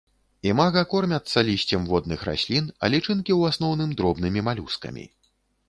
Імага кормяцца лісцем водных раслін, а лічынкі ў асноўным дробнымі малюскамі.